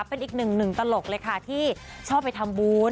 เป็นอีกหนึ่งตลกเลยค่ะที่ชอบไปทำบุญ